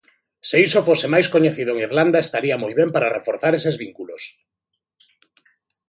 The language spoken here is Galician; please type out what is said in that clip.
Se iso fose máis coñecido en Irlanda estaría moi ben para reforzar eses vínculos.